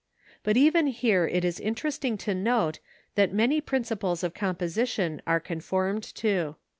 But even here it is interesting to note that many principles of composition are conformed to.